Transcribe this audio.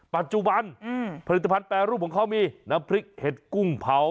ปัจจุบันผลิตภัณฑ์แปรรูปของเขามีน้ำพริกเห็ดกุ้งเผา